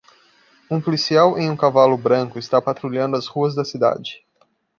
Um policial em um cavalo branco está patrulhando as ruas da cidade.